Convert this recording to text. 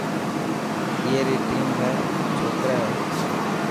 اي ري ٽيم ۾ ڇوڪري هي.